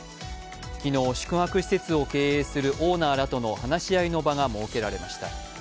昨日、宿泊施設を経営するオーナーらとの話し合いの場が設けられました。